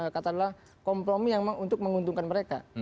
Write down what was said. kata adalah kompromi yang untuk menguntungkan mereka